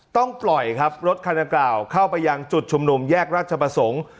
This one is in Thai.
ต้องปล่อยครับรถคันดังกล่าวเข้าไปยังจุดชุมนุมแยกราชประสงค์